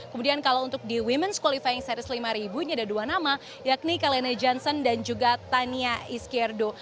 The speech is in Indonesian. kemudian kalau untuk di ⁇ womens ⁇ qualifying series lima ini ada dua nama yakni kalene johnson dan juga tania iskierdo